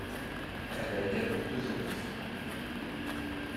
Elle a également deux amies.